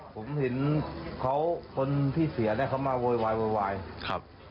ผมเห็นเขาคนที่เสียเนี่ยเขามาโวยวายโวยวายครับ